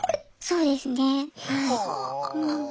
そうですね。はあ。